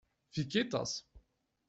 Wie geht das?